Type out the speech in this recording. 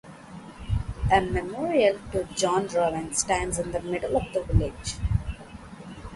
A memorial to John Rowan stands in the middle of the village.